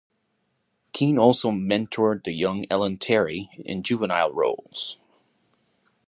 Kean also mentored the young Ellen Terry in juvenile roles.